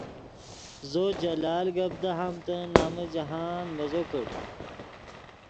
زو جلال گپ دہامتے نمن جاہند مزو کڑ